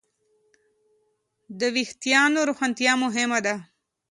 د وېښتیانو روښانتیا مهمه ده.